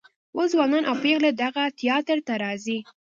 اوس ځوانان او پیغلې دغه تیاتر ته راځي.